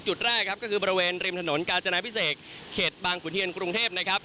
จุดแรกครับก็คือบริเวณริมถนนกาญจนาพิเศษเขตบางขุนเทียนกรุงเทพนะครับ